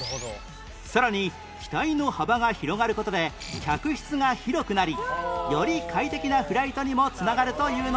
さらに機体の幅が広がる事で客室が広くなりより快適なフライトにも繋がるというのです